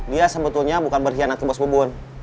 dia sebetulnya bukan berkhianat ke bos bubun